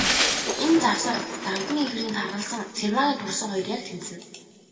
Энэ завсар, Дагданы эхнэрийн таргалсан, Цэрмаагийн турсан хоёр яг тэнцэнэ.